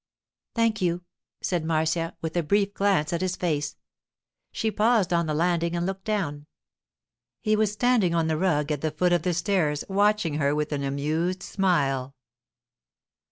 'Thank you,' said Marcia, with a brief glance at his face. She paused on the landing and looked down. He was standing on the rug at the foot of the stairs, watching her with an amused smile.